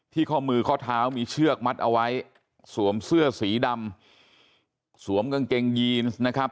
ข้อมือข้อเท้ามีเชือกมัดเอาไว้สวมเสื้อสีดำสวมกางเกงยีนนะครับ